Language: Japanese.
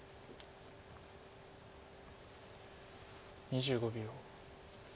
２５秒。